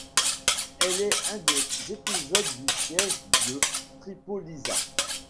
Elle est un des épisodes du siège de Tripolizza.